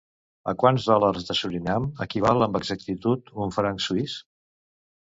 A quants dòlars de Surinam equival amb exactitud un franc suís?